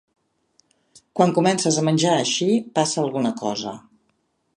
Quan comences a menjar així, passa alguna cosa.